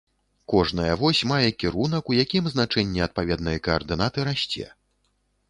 Кожная вось мае кірунак, у якім значэнне адпаведнай каардынаты расце.